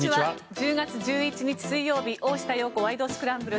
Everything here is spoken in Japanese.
１０月１１日、水曜日「大下容子ワイド！スクランブル」。